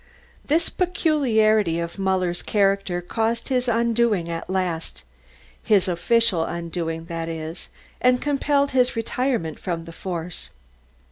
This peculiarity of Muller's character caused his undoing at last, his official undoing that is, and compelled his retirement from the force.